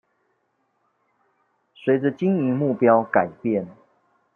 隨著經營目標改變